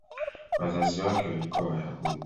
Wazazi wake walikuwa Wayahudi.